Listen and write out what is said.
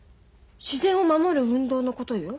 自然を守る運動のことよ。